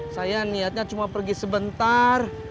saya niatnya cuma pergi sebentar